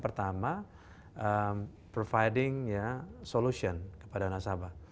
pertama providing ya solution kepada nasabah